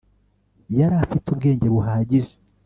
yari afite ubwenge buhagije